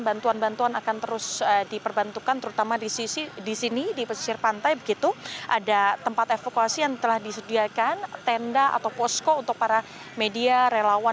bantuan bantuan akan terus diperbantukan terutama di sini di pesisir pantai begitu ada tempat evokasi yang telah disediakan